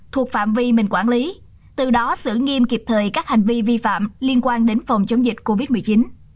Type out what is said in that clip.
thuộc phạm vi mình quản lý từ đó xử nghiêm kịp thời các hành vi vi phạm liên quan đến phòng chống dịch covid một mươi chín